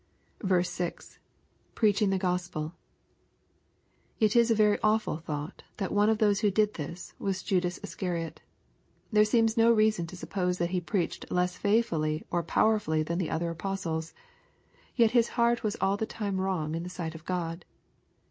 6. — [Preaching the Gospel.] It is a very awful thought, that one of those who did this, was Judas Iscariot There seems no reason to suppose that he preached less faithfully or powerfully than the other apostles. Yet his heart was all the time wrong in the sight of Gk>d.